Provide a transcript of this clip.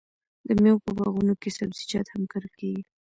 د میوو په باغونو کې سبزیجات هم کرل کیږي.